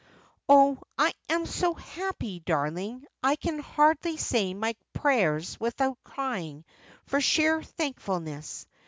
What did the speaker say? Oh, I am so happy, darling! I can hardly say my prayers without crying for sheer thankfulness.